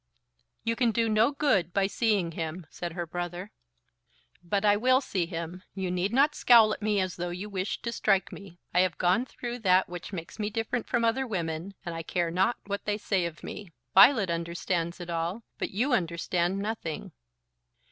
"You can do no good by seeing him," said her brother. "But I will see him. You need not scowl at me as though you wished to strike me. I have gone through that which makes me different from other women, and I care not what they say of me. Violet understands it all; but you understand nothing."